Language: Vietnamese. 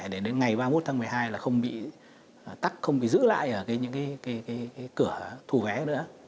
để đến ngày ba mươi một tháng một mươi hai là không bị tắt không bị giữ lại ở những cửa thu vé nữa